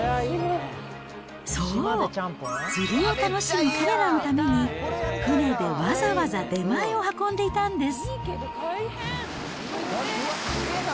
そう、釣りを楽しむ彼らのために、船でわざわざ出前を運んでいたんです。